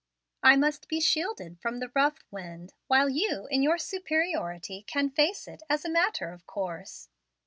I must be shielded from the rough wind, while you, in your superiority, can face it as a matter of Course.